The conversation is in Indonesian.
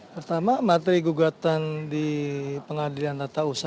pertama materi gugatan di pengadilan tata usaha